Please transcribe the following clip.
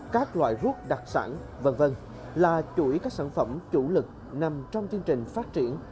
các loại rút đặc sản v v là chuỗi các sản phẩm chủ lực nằm trong chương trình phát triển